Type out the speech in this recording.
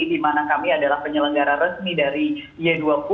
di mana kami adalah penyelenggara resmi dari y dua puluh